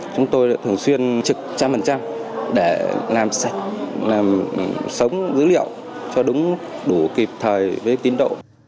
chúng tôi thường xuyên trực trăm phần trăm để làm sạch làm sống dữ liệu cho đúng đủ kịp thời với tiến độ